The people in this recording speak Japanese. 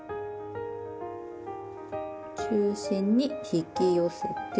中心に引き寄せて。